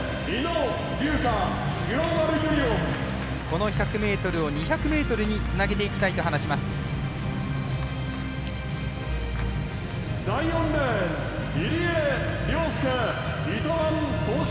この１００ｍを２００ｍにつなげていきたいと話します井野。